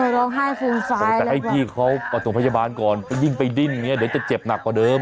ยิ่งไปดิ้งยังเหยียดเจ็บหนักกว่าเดิม